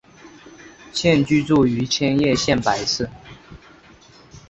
现居住于千叶县柏市。